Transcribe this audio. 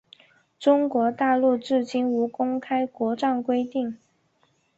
中国大陆至今无公开国葬规定。